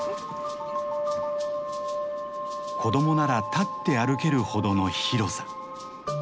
子供なら立って歩けるほどの広さ。